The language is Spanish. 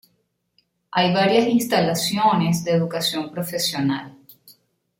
Hay varias instalaciones de educación profesional.